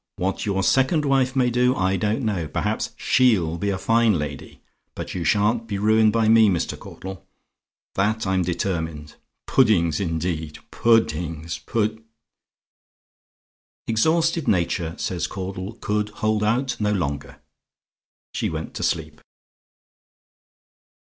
What your second wife may do I don't know; perhaps SHE'LL be a fine lady; but you sha'n't be ruined by me, Mr. Caudle; that I'm determined. Puddings, indeed! Pu dding s! Pud " "Exhausted nature," says Caudle, "could hold out no longer. She went to sleep."